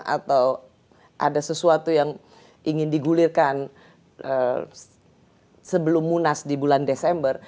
atau ada sesuatu yang ingin digulirkan sebelum munas di bulan desember